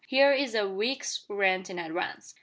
Here is a week's rent in advance."